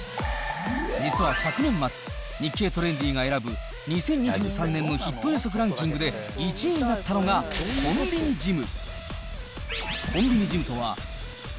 実は昨年末『日経トレンディ』が選ぶ「２０２３年のヒット予測ランキング」で１位になったのがコンビニジム。